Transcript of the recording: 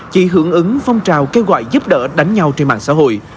chỉ hưởng ứng phong trào kêu gọi giúp đỡ đánh nhau trên mạng xã hội